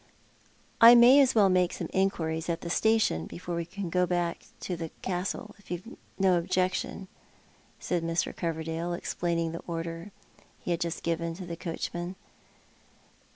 "I may as well make some inquiries at the station before we go back to the Castle, if you've no objection," said Mr. Cover dale, explaining the order he had just given to the coachman.